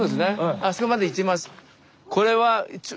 あそこまで行きます。